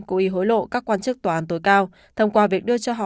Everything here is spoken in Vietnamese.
cố ý hối lộ các quan chức tòa án tối cao thông qua việc đưa cho họ